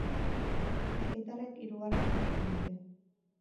Bizkaitarrek hirugarren jarraitzen dute.